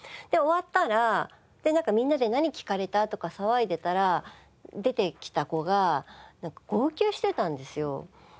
で終わったらみんなで「何聞かれた？」とか騒いでたら出てきた子がなんか号泣してたんですよ。